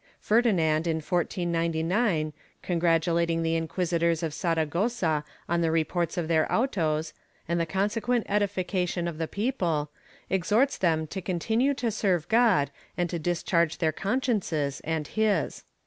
Ferdinand, in 1499, congratulating the inquisitors of Saragossa on the reports of their autos, and the consequent edification of the people, exhorts them to continue to serve God and to discharge their consciences and his.